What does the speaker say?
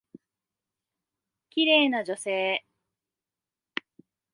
綺麗な女性。